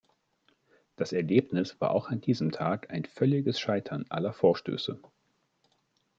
Das Ergebnis war auch an diesem Tag ein völliges Scheitern aller Vorstöße.